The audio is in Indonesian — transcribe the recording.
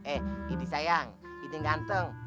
eh idi sayang idi ganteng